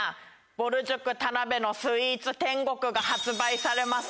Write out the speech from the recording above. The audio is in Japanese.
ぼる塾田辺のスイーツ天国』が発売されます。